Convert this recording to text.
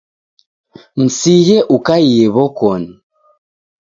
Msighe ukaiye w'okoni.